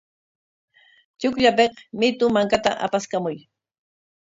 Chukllapik mitu mankata apaskamuy.